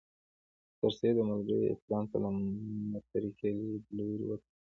سرسید او ملګرو یې اسلام ته له مترقي لیدلوري وکتل.